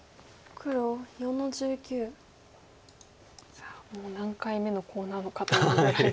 さあもう何回目のコウなのかというぐらいの。